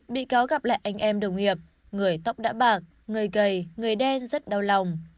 bị cáo gặp lại anh em đồng nghiệp người tóc đã bạc người gầy người đen rất đau lòng